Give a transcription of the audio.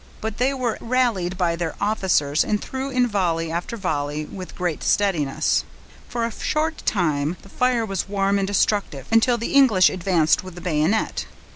But they were rallied by their officers, and threw in volley after volley with great steadiness. For a short time the fire was warm and destructive, until the English advanced with the bayonet.